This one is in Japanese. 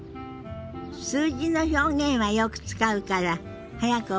数字の表現はよく使うから早く覚えたいわよね。